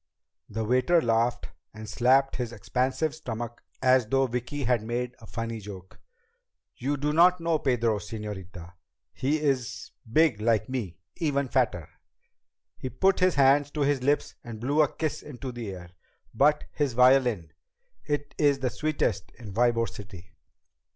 The waiter laughed and slapped his expansive stomach as though Vicki had made a funny joke. "You do not know Pedro, señorita. He is big like me. Even fatter." He put his fingers to his lips and blew a kiss into the air. "But his violin it is the sweetest in Ybor City."